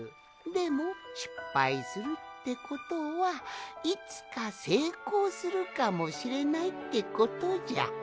でもしっぱいするってことはいつかせいこうするかもしれないってことじゃ。